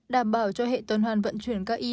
đảm bảo cho hệ toàn hoàn vận chuyển các ion